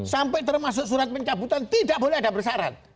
sampai termasuk surat pencabutan tidak boleh ada persyarat